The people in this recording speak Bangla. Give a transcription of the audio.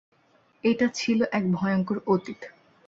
এটা ছিল এক ভয়ঙ্কর অতীত।